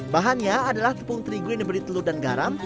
bahannya adalah tepung terigu yang diberi telur dan garam